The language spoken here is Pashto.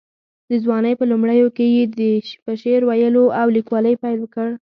د ځوانۍ په لومړیو کې یې په شعر ویلو او لیکوالۍ پیل وکړ.